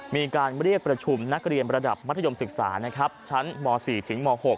มีการเรียกประชุมนักเรียนระดับมัธยมศึกษานะครับชั้นม๔ถึงม๖